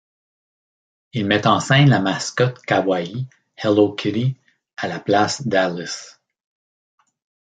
Il met en scène la mascotte kawaii Hello Kitty à la place d'Alice.